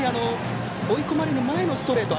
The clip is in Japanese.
追い込まれる前のストレート